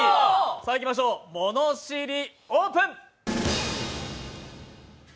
さあいきましょう、ものしり、オープン！